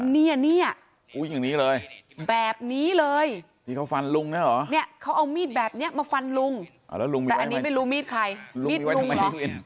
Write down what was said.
นี่แบบนี้เลยเขาเอามีดแบบนี้มาฟันลุงแต่อันนี้ไม่รู้มีดใครมีดลุงหรอก